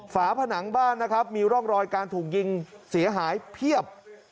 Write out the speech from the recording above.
ฝาผนังบ้านนะครับมีร่องรอยการถูกยิงเสียหายเพียบ